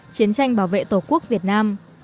chiến tranh bảo vệ tổ quốc việt nam